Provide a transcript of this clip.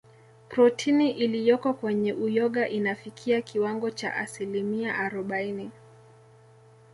Protini iliyoko kwenye Uyoga inafikia kiwango cha asilimia arobaini